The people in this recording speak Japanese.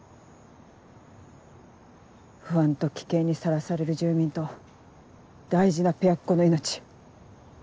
不安と危険にさらされる住民と大事なペアっ子の命。